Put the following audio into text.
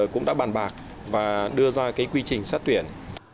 cũng đã bàn bạc và đưa ra cái quy trình xét tuyển